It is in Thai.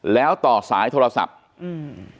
แล้วต่อสายโทรศัพท์อืม